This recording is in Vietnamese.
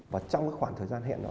và trong khoảng thời gian hẹn đó